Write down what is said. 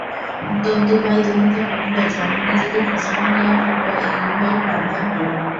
তন্তুবায়দুহিতা কহিল জননি যদি প্রসন্ন হইয়া থাক এই উভয়ের প্রাণদান কর।